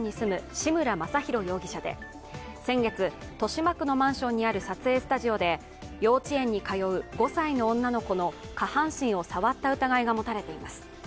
志村正浩容疑者で先月、豊島区のマンションにある撮影スタジオで幼稚園に通う５歳の女の子の下半身を触った疑いが持たれています。